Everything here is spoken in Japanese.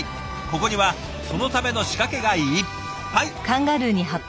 ここにはそのための仕掛けがいっぱい。